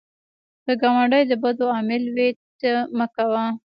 که ګاونډی د بدیو عامل وي، ته مه کوه